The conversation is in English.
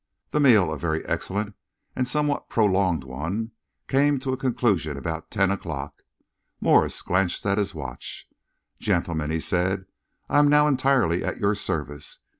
The meal, a very excellent and somewhat prolonged one, came to a conclusion about ten o'clock. Morse glanced at his watch. "Gentlemen," he said, "I am now entirely at your service.